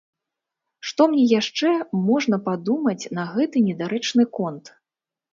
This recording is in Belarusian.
Што мне яшчэ можна падумаць на гэты недарэчны конт?